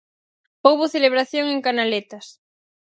Houbo celebración en Canaletas.